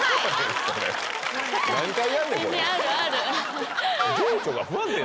何回やんねん？